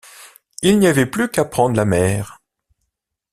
Il n’y avait plus qu’à prendre la mer.